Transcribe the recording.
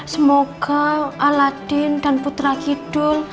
semoga aladin dan putra kidul